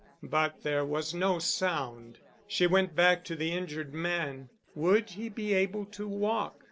But there was no sound. She went back to the injured man. Would he be able to walk?